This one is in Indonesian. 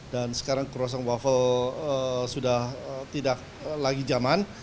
dan sekarang croissant waffle sudah tidak lagi jaman